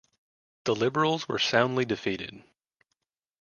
The Liberals were soundly defeated.